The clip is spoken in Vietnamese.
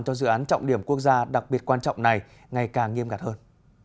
cho dự án trọng điểm quốc gia đặc biệt quan trọng này ngày càng nghiêm ngặt hơn